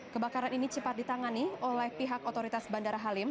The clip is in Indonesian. kebakaran ini cepat ditangani oleh pihak otoritas bandara halim